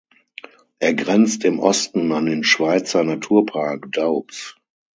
Er grenzt im Osten an den Schweizer Naturpark Doubs.